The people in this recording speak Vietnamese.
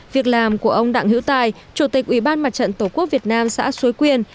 việc làm của ông đặng hữu tài chủ tịch ủy ban mặt trận tổ quốc việt nam xã xuối quyền